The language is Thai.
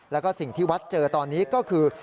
แล้วก็สิ่งที่วัดเจอตอนนี้ก็คือ